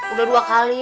udah dua kali